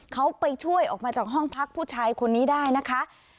เขาไปช่วยออกมาจากห้องพักผู้ชายคนนี้ได้นะคะ